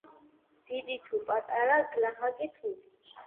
დიდი თუ პატარა, გლახაკი თუ